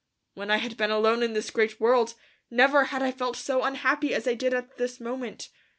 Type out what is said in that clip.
When I had been alone in this great world, never had I felt so unhappy as I did at this moment.